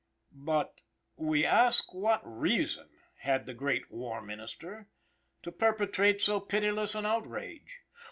But we ask what reason had the "Great War Minister" "to perpetrate so pitiless an outrage?"